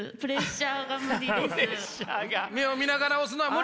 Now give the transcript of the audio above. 目を見ながら押すのは無理？